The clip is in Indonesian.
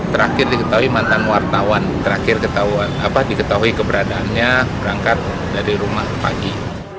terakhir diketahui mantan wartawan terakhir diketahui keberadaannya berangkat dari rumah pagi